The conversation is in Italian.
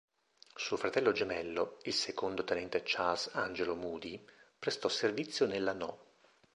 Suo fratello gemello, il secondo tenente Charles Angelo Moody, prestò servizio nella No.